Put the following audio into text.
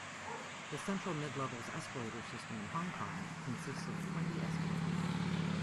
The Central-Midlevels escalator system in Hong Kong consists of twenty escalators.